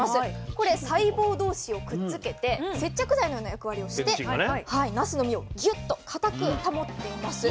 これ細胞同士をくっつけて接着剤のような役割をしてなすの身をギュッとかたく保っています。